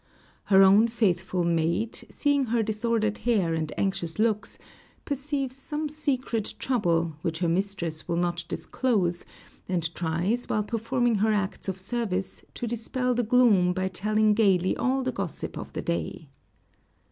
Her own faithful maid, seeing her disordered hair and anxious looks, perceives some secret trouble, which her mistress will not disclose, and tries, while performing her acts of service, to dispel the gloom by telling gayly all the gossip of the day.